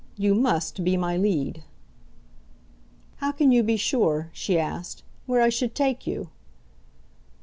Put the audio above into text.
You MUST be my lead." "How can you be sure," she asked, "where I should take you?"